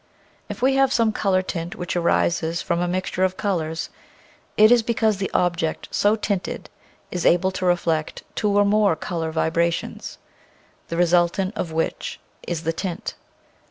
If we have some color tint which arises from a mix ture of colors it is because the object so tinted is able to reflect two or more color vibrations, the resultant of which is the tint.